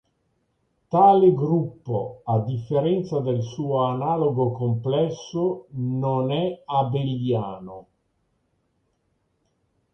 Tale gruppo, a differenza del suo analogo complesso, non è abeliano.